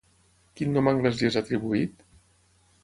Quin nom anglès li és atribuït?